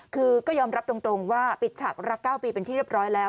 คือก็ยอมรับตรงว่าปิดฉากรัก๙ปีเป็นที่เรียบร้อยแล้ว